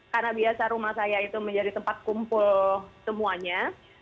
karena biasa rumah saya itu menjadi tempat kumpul semuanya